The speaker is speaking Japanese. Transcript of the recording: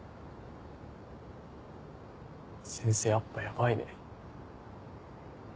先生やっぱヤバいね。